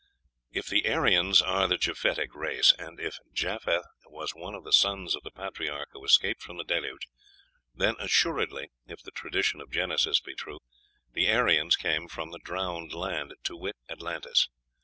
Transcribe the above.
If the Aryans are the Japhetic race, and if Japheth was one of the sons of the patriarch who escaped from the Deluge, then assuredly, if the tradition of Genesis be true, the Aryans came from the drowned land, to wit, Atlantis.